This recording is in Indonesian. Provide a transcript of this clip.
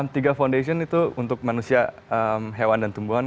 tiga foundation itu untuk manusia hewan dan tumbuhan